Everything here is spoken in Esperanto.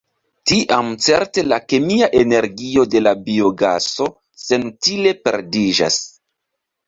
Tiam certe la kemia energio de la biogaso senutile perdiĝas.